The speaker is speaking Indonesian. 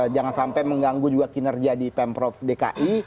jangan sampai mengganggu juga kinerja di pemprov dki